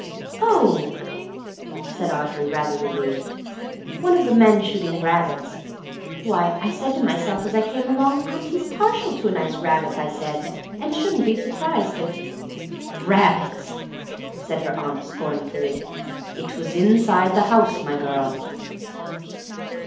"Oh!" said Audrey, rather relieved. "One of the men shooting rabbits. Why, I said to myself as I came along, 'Auntie's partial to a nice rabbit,' I said, and I shouldn't be surprised if—" "Rabbits!" said her aunt scornfully. "It was inside the house, my girl."